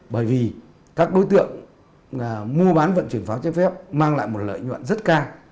bởi vì các đối tượng mua bán vận chuyển pháo chế phép mang lại một lợi nhuận rất cao